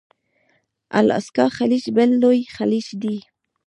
الاسکا خلیج بل لوی خلیج دی.